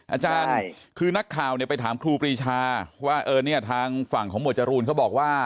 อาจารย์คือนักข่าวเนี่ยไปถามครูปรีชาว่าเออเนี่ยทางฝั่งของหมวดจรูนเขาบอกว่า